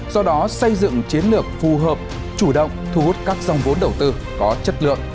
do đó xây dựng chiến lược phù hợp chủ động thu hút các dòng vốn đầu tư có chất lượng